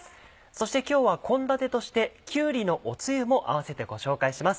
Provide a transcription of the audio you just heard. そして今日は献立として「きゅうりのお汁」も併せてご紹介します。